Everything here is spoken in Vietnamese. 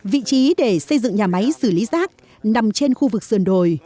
vị trí để xây dựng nhà máy xử lý rác nằm trên khu vực sườn đồi